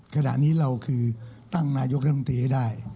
ขณะนี้เราคือตั้งนายกรัฐมนตรีให้ได้